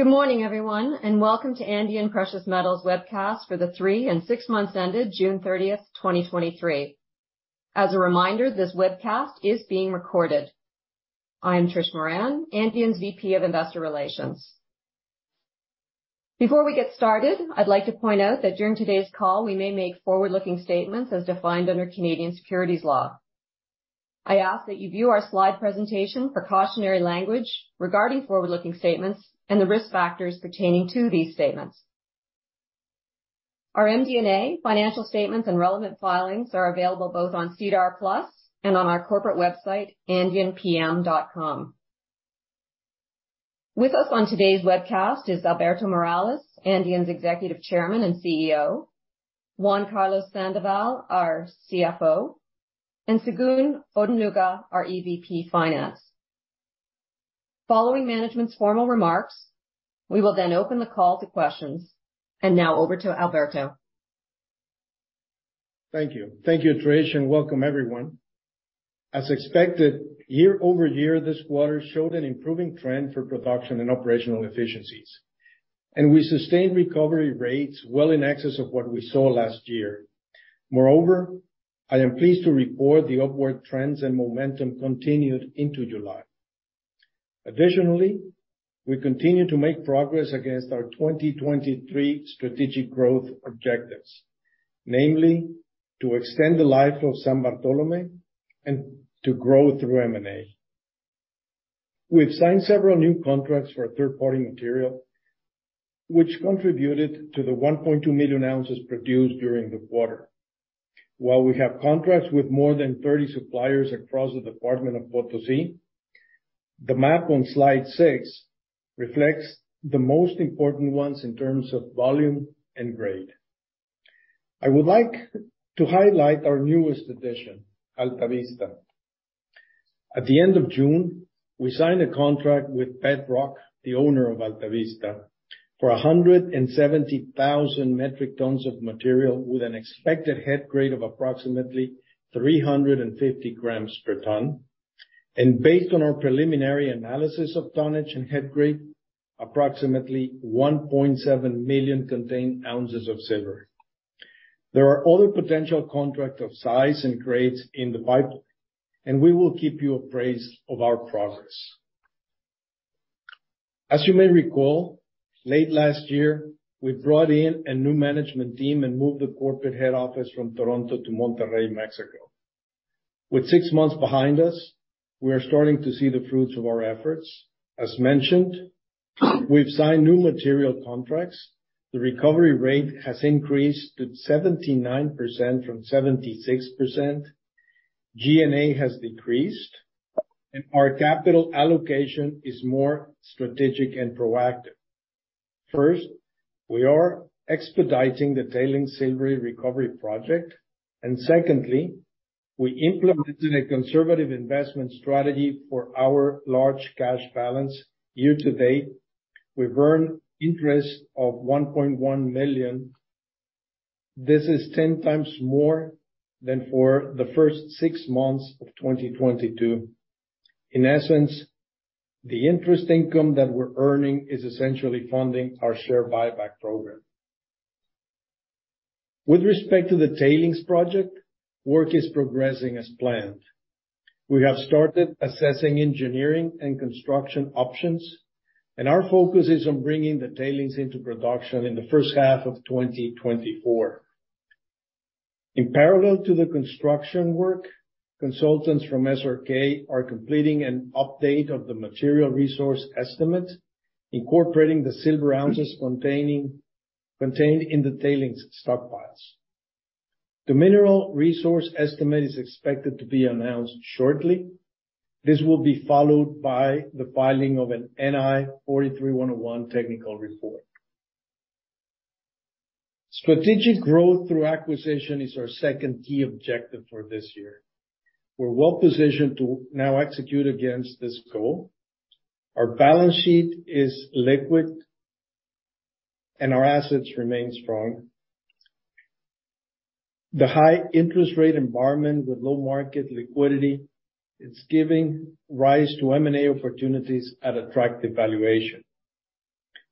Good morning, everyone, and welcome to Andean Precious Metals webcast for the 3 and 6 months ended June 30th, 2023. As a reminder, this webcast is being recorded. I am Patricia Moran, Andean's VP of Investor Relations. Before we get started, I'd like to point out that during today's call, we may make forward-looking statements as defined under Canadian securities law. I ask that you view our slide presentation for cautionary language regarding forward-looking statements and the risk factors pertaining to these statements. Our MD&A, financial statements, and relevant filings are available both on SEDAR+ and on our corporate website, andeanpm.com. With us on today's webcast is Alberto Morales, Andean's Executive Chairman and CEO, Juan Carlos Sandoval, our CFO, and Segun Odunuga, our EVP Finance. Now over to Alberto. Thank you. Thank you, Trish, and welcome everyone. As expected, year-over-year, this quarter showed an improving trend for production and operational efficiencies, and we sustained recovery rates well in excess of what we saw last year. Moreover, I am pleased to report the upward trends and momentum continued into July. Additionally, we continue to make progress against our 2023 strategic growth objectives, namely, to extend the life of San Bartolomé and to grow through M&A. We've signed several new contracts for third-party material, which contributed to the 1.2 million ounces produced during the quarter. While we have contracts with more than 30 suppliers across the Department of Potosí, the map on slide 6 reflects the most important ones in terms of volume and grade. I would like to highlight our newest addition, Alta Vista. At the end of June, we signed a contract with Bedrock, the owner of Alta Vista, for 170,000 metric tons of material with an expected head grade of approximately 350 grams per ton. Based on our preliminary analysis of tonnage and head grade, approximately 1.7 million contained ounces of silver. There are other potential contracts of size and grades in the pipeline. We will keep you appraised of our progress. As you may recall, late last year, we brought in a new management team and moved the corporate head office from Toronto to Monterrey, Mexico. With six months behind us, we are starting to see the fruits of our efforts. As mentioned, we've signed new material contracts. The recovery rate has increased to 79% from 76%. G&A has decreased, our capital allocation is more strategic and proactive. First, we are expediting the tailings silver recovery project, and secondly, we implemented a conservative investment strategy for our large cash balance. Year to date, we've earned interest of $1.1 million. This is 10 times more than for the first 6 months of 2022. In essence, the interest income that we're earning is essentially funding our share buyback program. With respect to the tailings project, work is progressing as planned. We have started assessing engineering and construction options, and our focus is on bringing the tailings into production in the first half of 2024. In parallel to the construction work, consultants from SRK are completing an update of the Material Resource Estimate, incorporating the silver ounces contained in the tailings stockpiles. The Mineral Resource Estimate is expected to be announced shortly. This will be followed by the filing of an NI 43-101 technical report. Strategic growth through acquisition is our second key objective for this year. We're well positioned to now execute against this goal. Our balance sheet is liquid, and our assets remain strong. The high interest rate environment with low market liquidity, it's giving rise to M&A opportunities at attractive valuation.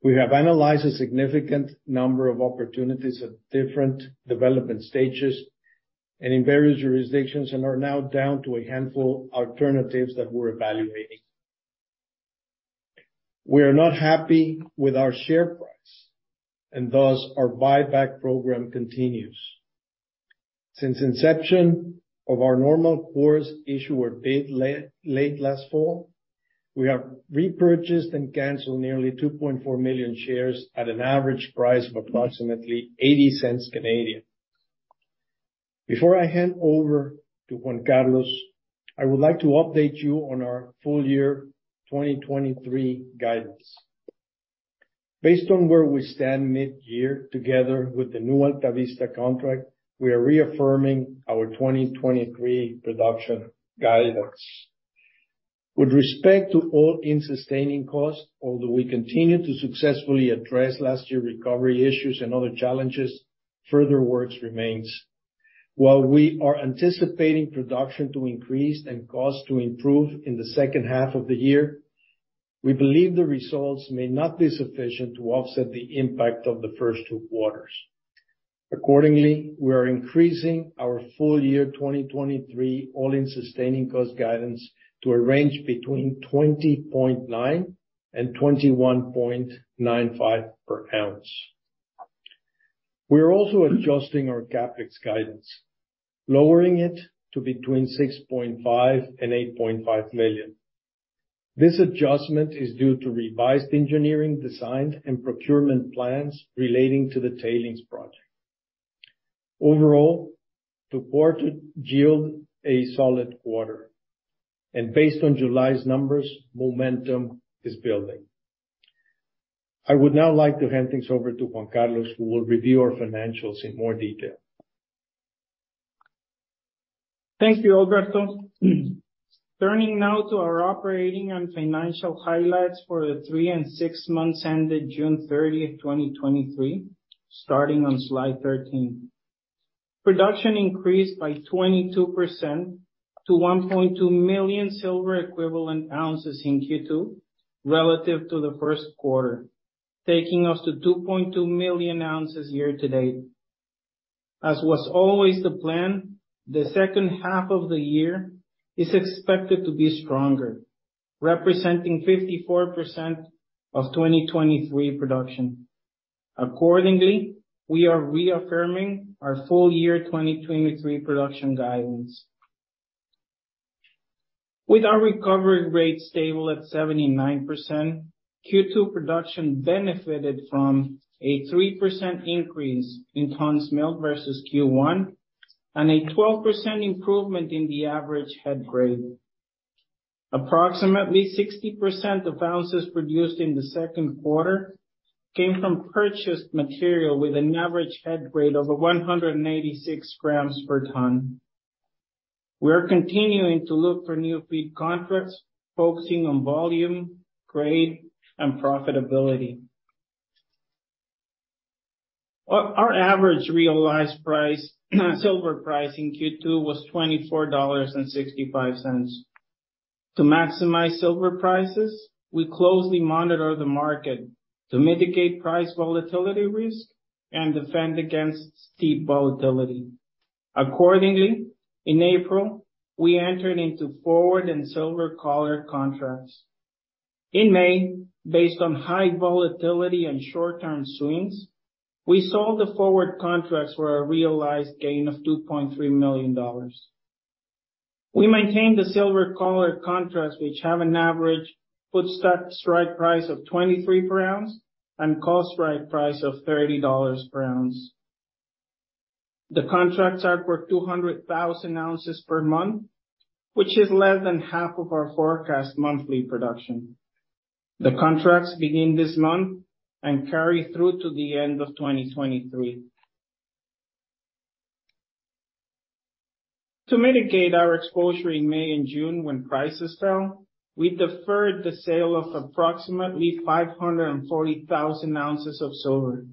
We have analyzed a significant number of opportunities at different development stages and in various jurisdictions, and are now down to a handful of alternatives that we're evaluating. We are not happy with our share price, and thus our buyback program continues. Since inception of our Normal Course Issuer Bid late last fall, we have repurchased and canceled nearly 2.4 million shares at an average price of approximately 0.80. Before I hand over to Juan Carlos, I would like to update you on our full year 2023 guidance. Based on where we stand mid-year, together with the new Alta Vista contract, we are reaffirming our 2023 production guidance. With respect to all-in sustaining costs, although we continue to successfully address last year recovery issues and other challenges, further works remains. While we are anticipating production to increase and cost to improve in the second half of the year, we believe the results may not be sufficient to offset the impact of the first two quarters. We are increasing our full year 2023 all-in sustaining cost guidance to a range between $20.9 and $21.95 per ounce. We are also adjusting our CapEx guidance, lowering it to between $6.5 million and $8.5 million. This adjustment is due to revised engineering designs and procurement plans relating to the tailings project. Overall, the quarter yield a solid quarter, and based on July's numbers, momentum is building. I would now like to hand things over to Juan Carlos, who will review our financials in more detail. Thank you, Alberto. Turning now to our operating and financial highlights for the 3 and 6 months ended June 30th, 2023, starting on slide 13. Production increased by 22% to 1.2 million silver equivalent ounces in Q2 relative to the first quarter, taking us to 2.2 million ounces year to date. As was always the plan, the second half of the year is expected to be stronger, representing 54% of 2023 production. Accordingly, we are reaffirming our full year 2023 production guidance. With our recovery rate stable at 79%, Q2 production benefited from a 3% increase in tons milled versus Q1, and a 12% improvement in the average head grade. Approximately 60% of ounces produced in the second quarter came from purchased material with an average head grade of 186 grams per ton. We are continuing to look for new feed contracts, focusing on volume, grade, and profitability. Our average realized price, silver price in Q2 was $24.65. To maximize silver prices, we closely monitor the market to mitigate price volatility risk and defend against steep volatility. Accordingly, in April, we entered into forward and silver collar contracts. In May, based on high volatility and short-term swings, we sold the forward contracts for a realized gain of $2.3 million. We maintained the silver collar contracts, which have an average put strike price of $23 per ounce and call strike price of $30 per ounce. The contracts are for 200,000 ounces per month, which is less than half of our forecast monthly production. The contracts begin this month and carry through to the end of 2023. To mitigate our exposure in May and June, when prices fell, we deferred the sale of approximately 540,000 ounces of silver.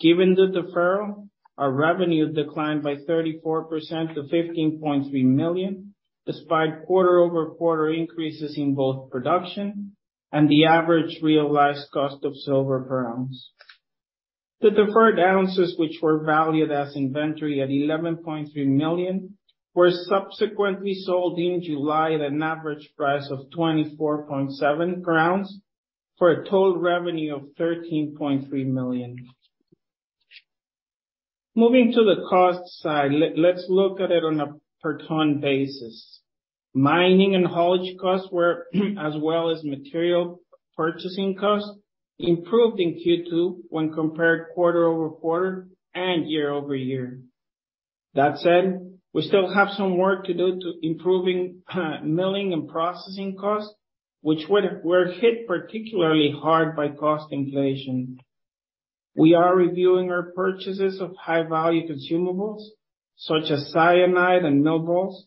Given the deferral, our revenue declined by 34% to $15.3 million, despite quarter-over-quarter increases in both production and the average realized cost of silver per ounce. The deferred ounces, which were valued as inventory at $11.3 million, were subsequently sold in July at an average price of $24.7 per ounce for a total revenue of $13.3 million. Moving to the cost side, let's look at it on a per-ton basis. Mining and haulage costs were, as well as material purchasing costs, improved in Q2 when compared quarter-over-quarter and year-over-year. That said, we still have some work to do to improving milling and processing costs, which were hit particularly hard by cost inflation. We are reviewing our purchases of high-value consumables, such as cyanide and mill balls,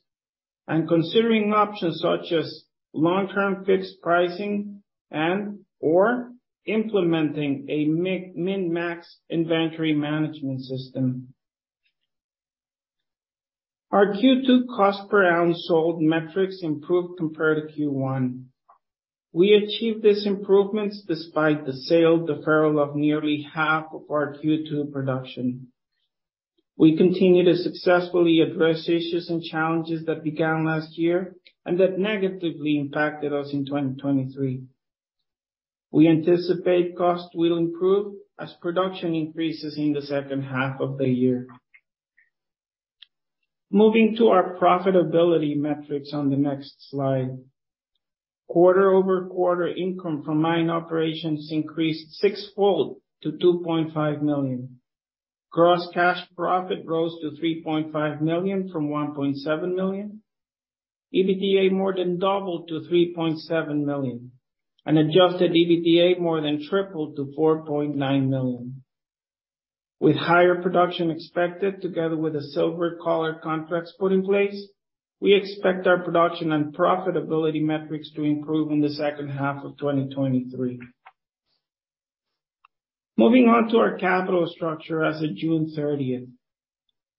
and considering options such as long-term fixed pricing and/or implementing a min-max inventory management system. Our Q2 cost per ounce sold metrics improved compared to Q1. We achieved these improvements despite the sale deferral of nearly half of our Q2 production. We continue to successfully address issues and challenges that began last year and that negatively impacted us in 2023. We anticipate costs will improve as production increases in the second half of the year. Moving to our profitability metrics on the next slide. Quarter-over-quarter income from mining operations increased sixfold to $2.5 million. Gross cash profit rose to $3.5 million from $1.7 million. EBITDA more than doubled to $3.7 million, and adjusted EBITDA more than tripled to $4.9 million. With higher production expected, together with the silver collar contracts put in place, we expect our production and profitability metrics to improve in the second half of 2023. Moving on to our capital structure as of June thirtieth.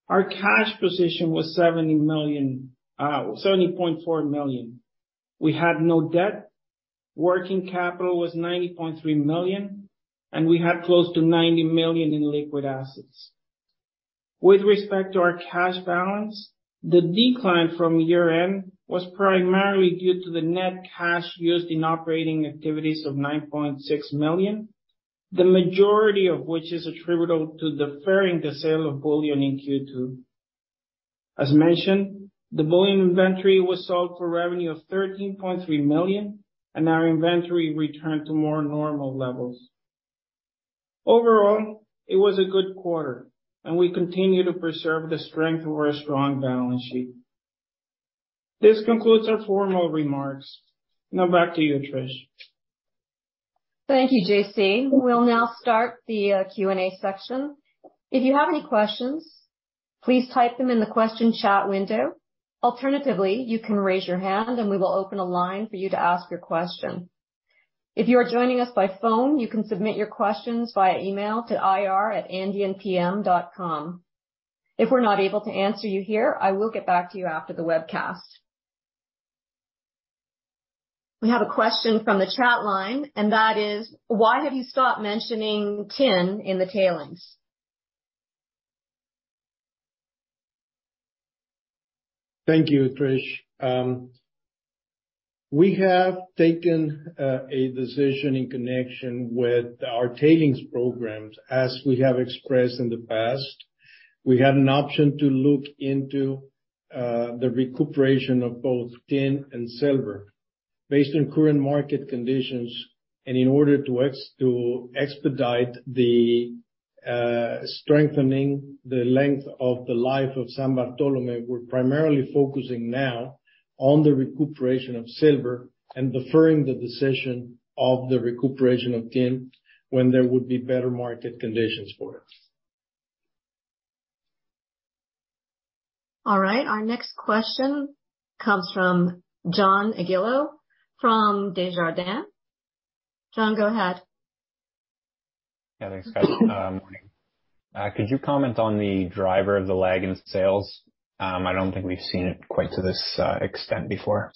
Our cash position was $70 million, $70.4 million. We had no debt. Working capital was $90.3 million, and we had close to $90 million in liquid assets. With respect to our cash balance, the decline from year-end was primarily due to the net cash used in operating activities of $9.6 million, the majority of which is attributable to deferring the sale of bullion in Q2. As mentioned, the bullion inventory was sold for revenue of $13.3 million. Our inventory returned to more normal levels. Overall, it was a good quarter. We continue to preserve the strength of our strong balance sheet. This concludes our formal remarks. Now back to you, Trish. Thank you, JC. We'll now start the Q&A section. If you have any questions, please type them in the question chat window. Alternatively, you can raise your hand, and we will open a line for you to ask your question. If you are joining us by phone, you can submit your questions via email to ir@andeanpm.com. If we're not able to answer you here, I will get back to you after the webcast. We have a question from the chat line, and that is: Why have you stopped mentioning tin in the tailings? Thank you, Trish. We have taken a decision in connection with our tailings programs, as we have expressed in the past. We had an option to look into the recuperation of both tin and silver. Based on current market conditions, and in order to expedite the strengthening the length of the life of San Bartolomé, we're primarily focusing now on the recuperation of silver and deferring the decision of the recuperation of tin when there would be better market conditions for it. All right. Our next question comes from John Aiello from Desjardins. John, go ahead. Yeah, thanks, guys. Morning. Could you comment on the driver of the lag in sales? I don't think we've seen it quite to this extent before.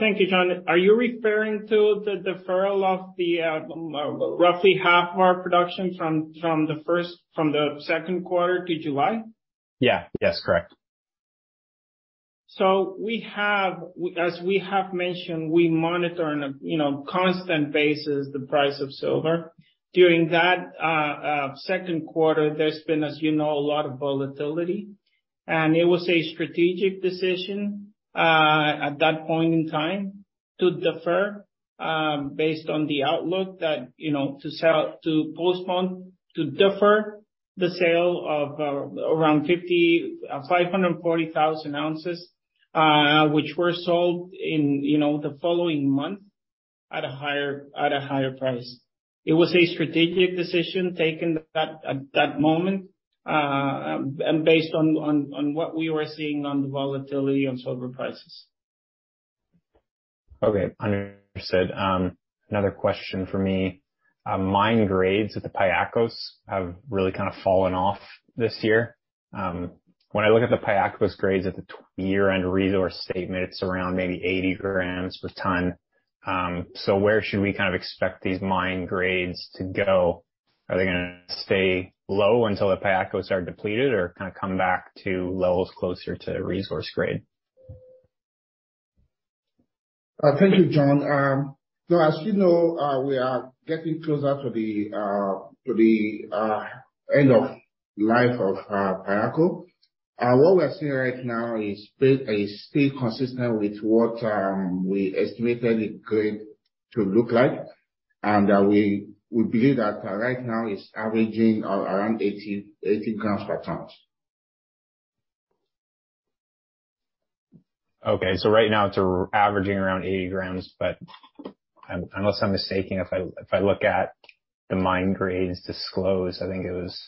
Thank you, John. Are you referring to the deferral of the roughly half of our production from the second quarter to July? Yeah. Yes, correct. We have, as we have mentioned, we monitor on a, you know, constant basis the price of silver. During that second quarter, there's been, as you know, a lot of volatility, and it was a strategic decision at that point in time, to defer, based on the outlook that, you know, to postpone, to defer the sale of around 50, 540,000 ounces, which were sold in, you know, the following month at a higher, at a higher price. It was a strategic decision taken at that, at that moment, and based on what we were seeing on the volatility on silver prices. Okay. Understood. Another question for me. Mine grades at the Pallacos have really kind of fallen off this year. When I look at the Pallacos grades at the year-end resource statement, it's around maybe 80 grams per ton. Where should we kind of expect these mine grades to go? Are they gonna stay low until the Pallacos are depleted or kind of come back to levels closer to resource grade? Thank you, John. As you know, we are getting closer to the end of life of Pallacos. What we are seeing right now is pretty still consistent with what we estimated it going to look like, and we, we believe that right now it's averaging around 80, 80 grams per ton. Right now, it's averaging around 80 grams, but unless I'm mistaken, if I look at the mine grades disclosed, I think it was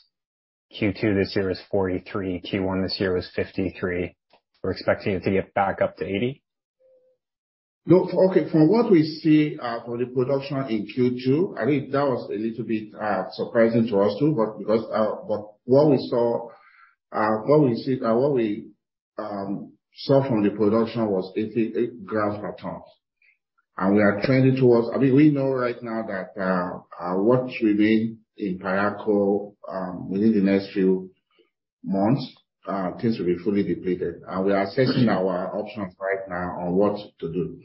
Q2 this year was 43, Q1 this year was 53. We're expecting it to get back up to 80? Look, okay, from what we see, for the production in Q2, I mean, that was a little bit surprising to us too, but because, but what we saw, what we see, what we saw from the production was 88 grams per ton. We are trending towards-- I mean, we know right now that what remain in Pallacos, within the next few months, things will be fully depleted. We are assessing our options right now on what to do.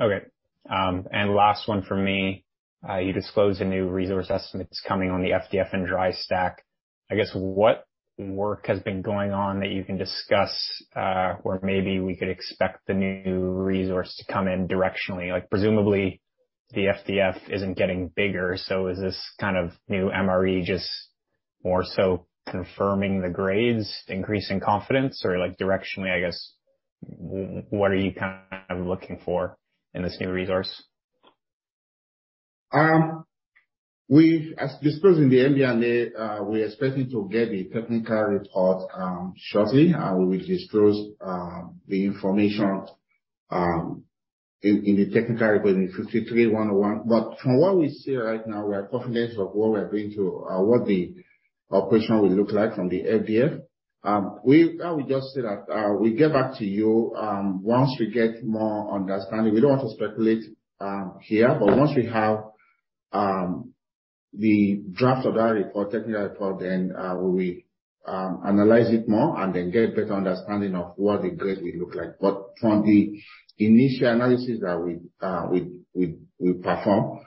Okay. Last one from me. You disclosed the new resource estimates coming on the FDF and dry stack. I guess, what work has been going on that you can discuss, or maybe we could expect the new resource to come in directionally? Like, presumably, the FDF isn't getting bigger, so is this kind of new MRE just more so confirming the grades, increasing confidence, or like, directionally, I guess, what are you kind of looking for in this new resource?... we've, as discussed in the MD&A, we are expecting to get the technical report shortly. We will disclose the information in the technical report in 53-101. From what we see right now, we are confident of what we are going to, what the operation will look like from the FDF. We, I will just say that we get back to you once we get more understanding. We don't want to speculate here, but once we have the draft of that report, technical report, then we, we analyze it more and then get better understanding of what the grade will look like. From the initial analysis that we, we, we perform,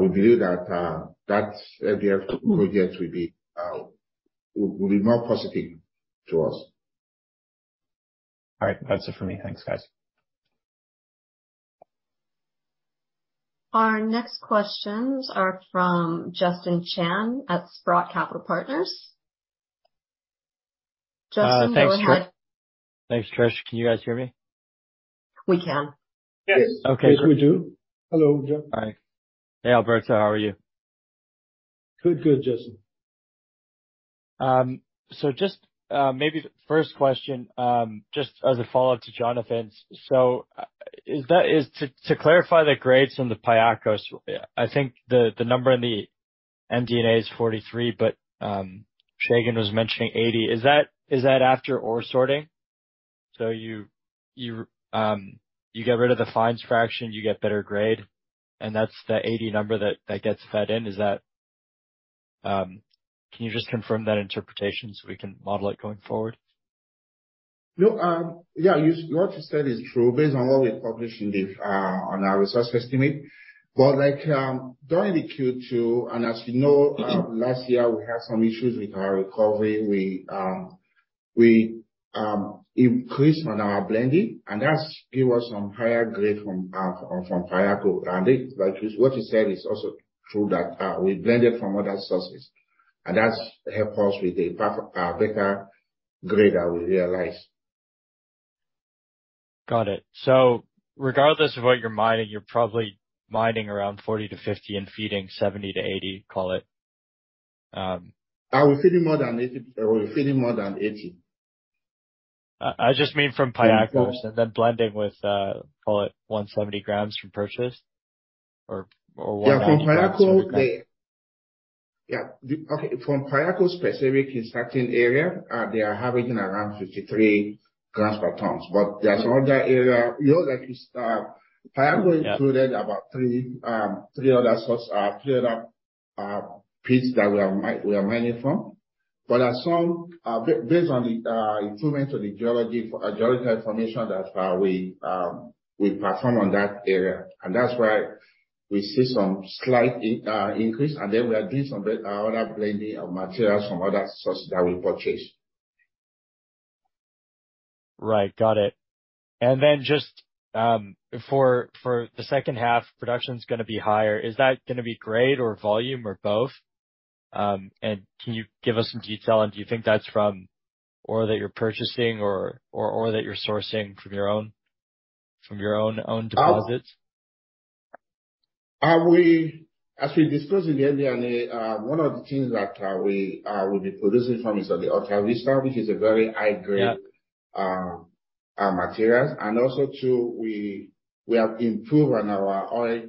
we believe that FDF project will be, will, will be more positive to us. All right. That's it for me. Thanks, guys. Our next questions are from Justin Chan at Sprott Capital Partners. Justin, go ahead. Thanks, Trish. Can you guys hear me? We can. Yes. Okay. Yes, we do. Hello, Justin. Hi. Hey, Alberto. How are you? Good, good, Justin. Just, maybe the first question, just as a follow-up to Jonathan's. Is that, is to, to clarify the grades on the Pallacos, I think the, the number in the MD&A is 43, but, Segun was mentioning 80. Is that, is that after ore sorting? You, you, you get rid of the fines fraction, you get better grade, and that's the 80 number that, that gets fed in. Is that, can you just confirm that interpretation so we can model it going forward? Yeah, you, what you said is true based on what we published in the on our resource estimate. Like, during the Q2, and as you know, last year, we had some issues with our recovery. We, we increased on our blending, and that gave us some higher grade from from Pallacos. It, like, what you said is also true, that we blended from other sources, and that's helped us with a better better grade that we realized. Got it. Regardless of what you're mining, you're probably mining around 40-50 and feeding 70-80, call it. We're feeding more than 80, we're feeding more than 80. I, I just mean from Pallacos, and then blending with, call it 170 grams from purchase, or, or 190 grams- Yeah, from Pallacos, the... Yeah, the, okay, from Pallacos specific in certain area, they are averaging around 53 grams per tons. There are some other area, you know, like, Pallacos included about 3, 3 other source, 3 other pits that we are mining from. There are some, based on the improvement of the geology information that we perform on that area, and that's why we see some slight in increase, and then we are doing some better, other blending of materials from other sources that we purchased. Right. Got it. Then just, for, for the second half, production's gonna be higher. Is that gonna be grade or volume or both? Can you give us some detail on do you think that's from ore that you're purchasing or, or, or that you're sourcing from your own, from your own, own deposits? We, as we discussed in the MD&A, one of the things that we will be producing from is the Alta Vista, which is a very high grade- Yeah... materials. Also, too, we, we have improved on our ore,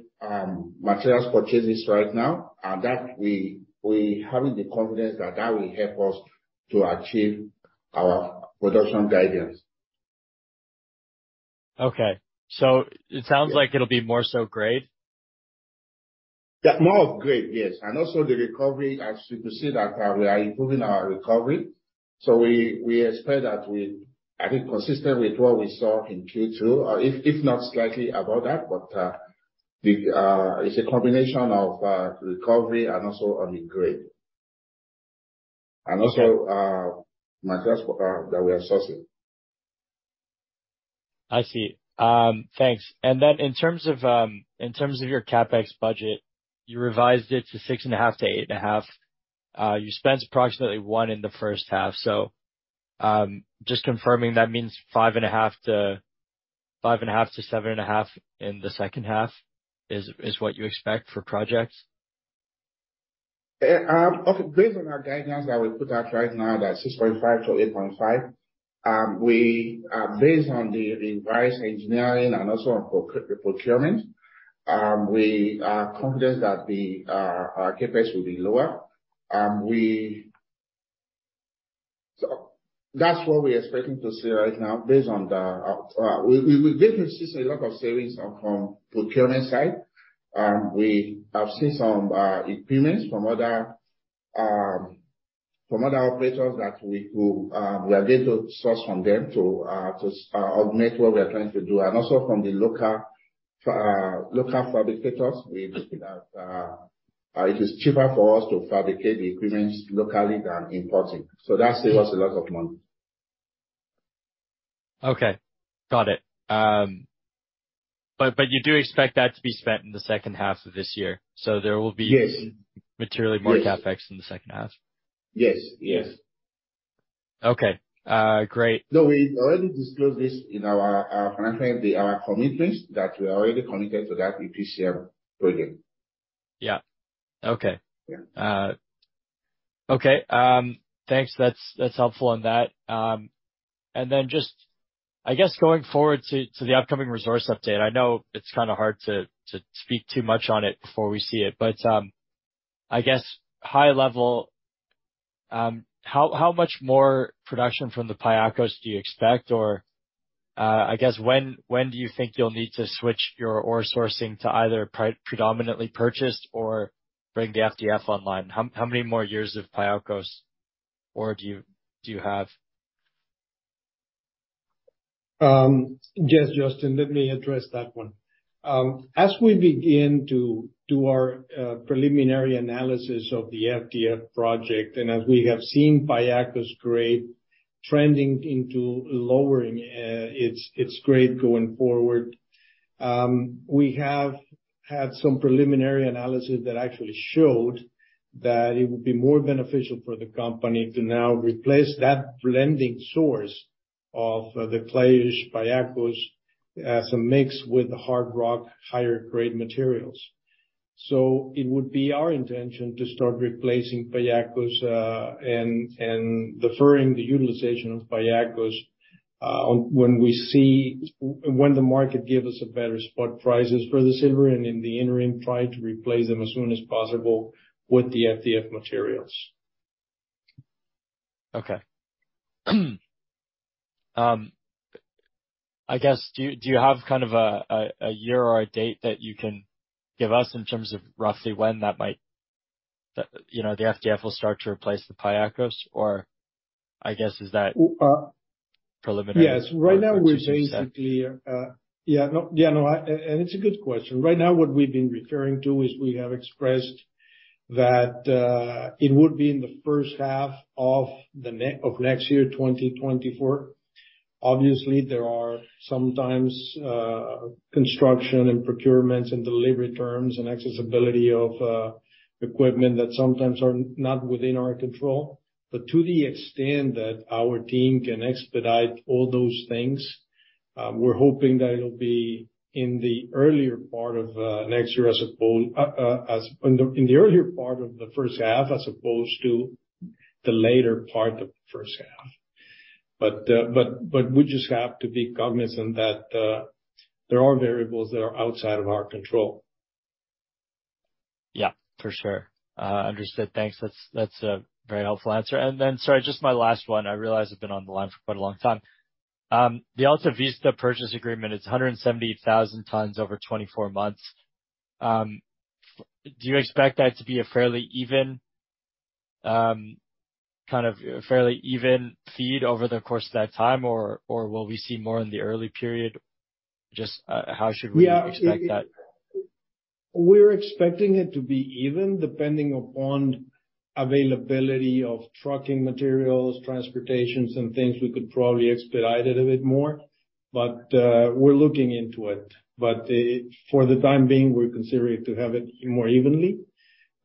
materials purchases right now, and that we, we having the confidence that that will help us to achieve our production guidance. Okay. It sounds like it'll be more so grade? Yeah, more of grade, yes. Also, the recovery, as you can see that, we are improving our recovery. We, we expect that we, I think, consistent with what we saw in Q2, or if not slightly above that. It's a combination of recovery and also on the grade. Also, materials for that we are sourcing. I see. Thanks. In terms of, in terms of your CapEx budget, you revised it to $6.5 million-$8.5 million. You spent approximately $1 million in the first half. Just confirming, that means $5.5 million-$7.5 million in the second half, is what you expect for projects? Okay, based on our guidelines that we put out right now, that's $6.5-$8.5, we, based on the, the various engineering and also on procurement, we are confident that the, our CapEx will be lower. That's what we are expecting to see right now, based on the, we, we, we've definitely seen a lot of savings on, from procurement side. We have seen some equipments from other, from other operators that we, we are able to source from them to, to augment what we are trying to do. Also from the local, local fabricators, we, it is cheaper for us to fabricate the equipments locally than importing. That save us a lot of money. Okay. Got it. You do expect that to be spent in the second half of this year? There will be- Yes. Materially more CapEx in the second half? Yes. Yes. Okay, great. No, we already disclosed this in our, our financial, our commitments that we already committed to that EPCM program. Yeah. Okay. Yeah. Okay, thanks. That's, that's helpful on that. Then just, I guess, going forward to, to the upcoming resource update, I know it's kind of hard to, to speak too much on it before we see it, but, I guess, high level, how, how much more production from the Pallacos do you expect? Or, I guess, when, when do you think you'll need to switch your ore sourcing to either pri- predominantly purchased or bring the FDF online? How, how many more years of Pallacos ore do you, do you have? Yes, Justin, let me address that one. As we begin to do our preliminary analysis of the FDF project, and as we have seen Pallacos grade trending into lowering its, its grade going forward, we have had some preliminary analysis that actually showed that it would be more beneficial for the company to now replace that blending source of the clayish Pallacos, so mix with the hard rock, higher grade materials. It would be our intention to start replacing Pallacos, and deferring the utilization of Pallacos, when we see when the market give us a better spot prices for the silver, and in the interim, try to replace them as soon as possible with the FDF materials. Okay. I guess, do you have kind of a year or a date that you can give us in terms of roughly when that might, you know, the FDF will start to replace the Pallacos? I guess, is that- Uh- preliminary? Yes. Right now. Right now, we're basically. Yeah, no, yeah, no, I, and it's a good question. Right now, what we've been referring to is we have expressed that it would be in the first half of next year, 2024. Obviously, there are sometimes construction and procurements and delivery terms and accessibility of equipment that sometimes are not within our control. To the extent that our team can expedite all those things, we're hoping that it'll be in the earlier part of next year, as opposed, as, in the earlier part of the first half, as opposed to the later part of the first half. But we just have to be cognizant that there are variables that are outside of our control. Yeah, for sure. Understood. Thanks. That's, that's a very helpful answer. Then, sorry, just my last one. I realize I've been on the line for quite a long time. The Alta Vista purchase agreement is 170,000 tons over 24 months. Do you expect that to be a fairly even, kind of fairly even feed over the course of that time? Or, or will we see more in the early period? Just, how should we expect that? We're expecting it to be even, depending upon availability of trucking materials, transportation, some things we could probably expedite it a bit more, but, we're looking into it. For the time being, we're considering to have it more evenly.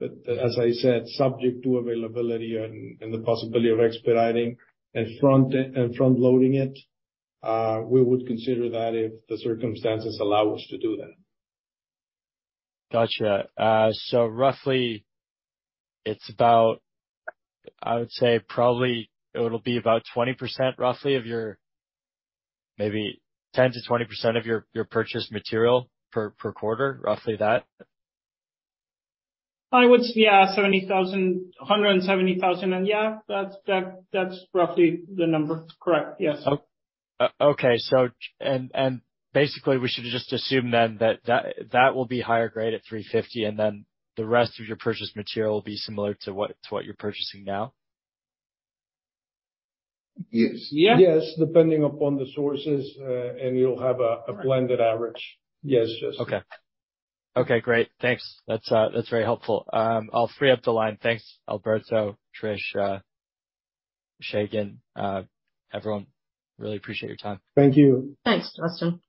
As I said, subject to availability and, and the possibility of expediting and front, and front-loading it, we would consider that if the circumstances allow us to do that. Gotcha. Roughly, it's about, I would say probably it'll be about 20%, roughly of your... maybe 10%-20% of your, your purchased material per, per quarter, roughly that? I would say, yeah, 70,000, 170,000, and yeah, that's, that's roughly the number. Correct. Yes. Oh, okay. And basically, we should just assume then that will be higher grade at 350, and then the rest of your purchased material will be similar to what you're purchasing now? Yes. Yeah. Yes, depending upon the sources, and you'll have a, a blended average. Yes, Justin. Okay. Okay, great. Thanks. That's, that's very helpful. I'll free up the line. Thanks, Alberto, Trish, Segun, everyone, really appreciate your time. Thank you. Thanks, Justin.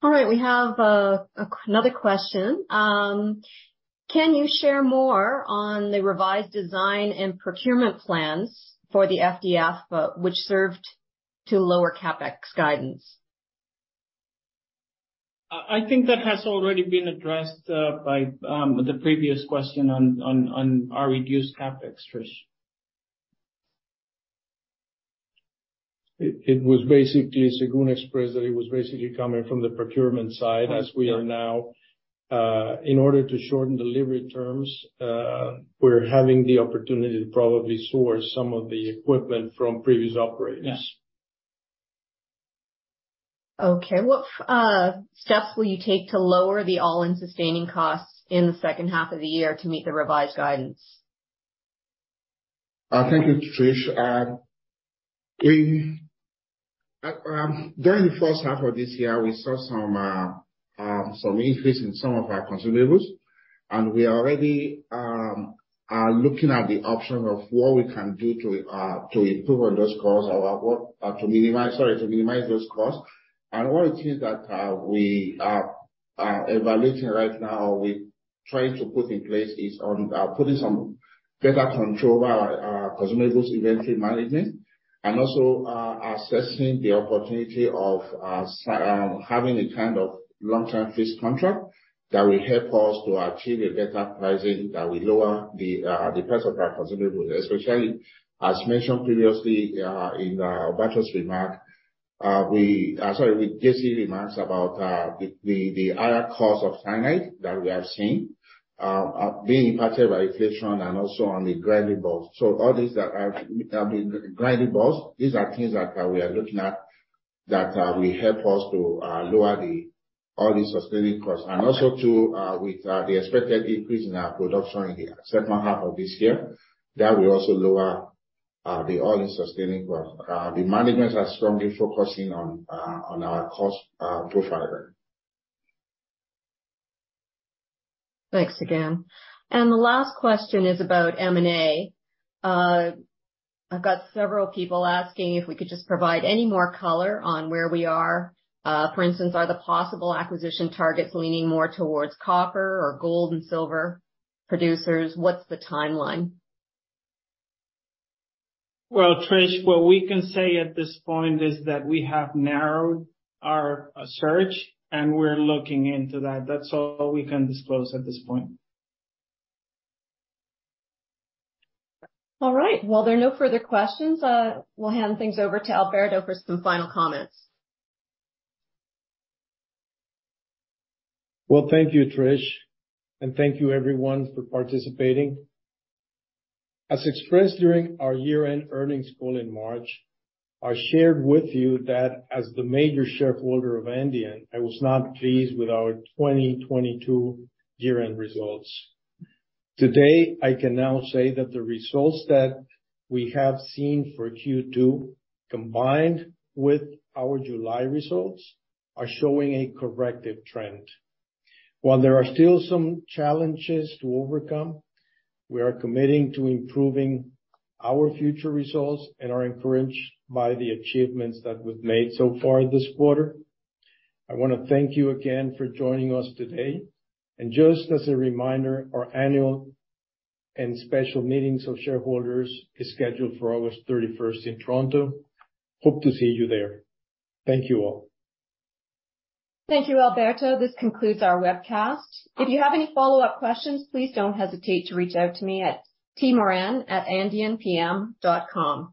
All right, we have another question. Can you share more on the revised design and procurement plans for the FDF, which served to lower CapEx guidance? I think that has already been addressed by the previous question on our reduced CapEx, Trish. It, it was basically Segun expressed that it was basically coming from the procurement side- Right. as we are now, in order to shorten delivery terms, we're having the opportunity to probably source some of the equipment from previous operators. Yeah. Okay. What steps will you take to lower the all-in sustaining costs in the second half of the year to meet the revised guidance? Thank you, Trish. We during the first half of this year, we saw some some increase in some of our consumables, and we already are looking at the option of what we can do to to improve on those costs or what to minimize, sorry, to minimize those costs. One of the things that we... evaluating right now, we trying to put in place is on, putting some better control over our, our consumables inventory management, and also, assessing the opportunity of having a kind of long-term fixed contract that will help us to achieve a better pricing, that will lower the price of our consumables, especially as mentioned previously, in Batos remark, we, sorry, with Jesse remarks about the other cause of cyanide that we are seeing, being impacted by inflation and also on the grinding balls. All these that are, have been grinding balls, these are things that, we are looking at that, will help us to, lower the all-in sustaining costs. Also too, with the expected increase in our production in the second half of this year, that will also lower the all-in sustaining costs. The management are strongly focusing on our cost profile. Thanks again. The last question is about M&A. I've got several people asking if we could just provide any more color on where we are. For instance, are the possible acquisition targets leaning more towards copper or gold and silver producers? What's the timeline? Well, Trish, what we can say at this point is that we have narrowed our search, and we're looking into that. That's all we can disclose at this point. All right. Well, there are no further questions, we'll hand things over to Alberto for some final comments. Well, thank you, Trish, and thank you everyone for participating. As expressed during our year-end earnings call in March, I shared with you that as the major shareholder of Andean, I was not pleased with our 2022 year-end results. Today, I can now say that the results that we have seen for Q2, combined with our July results, are showing a corrective trend. While there are still some challenges to overcome, we are committing to improving our future results and are encouraged by the achievements that we've made so far this quarter. I want to thank you again for joining us today, and just as a reminder, our annual and special meetings of shareholders is scheduled for August 31st in Toronto. Hope to see you there. Thank you, all. Thank you, Alberto. This concludes our webcast. If you have any follow-up questions, please don't hesitate to reach out to me at tmoran@andeanpm.com.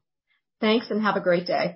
Thanks, and have a great day.